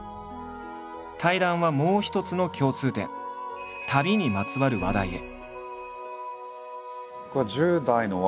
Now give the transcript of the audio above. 対談はもう一つの共通点「旅」にまつわる話題へ。